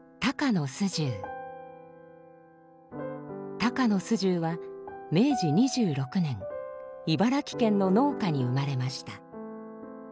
高野素十は明治２６年茨城県の農家に生まれました。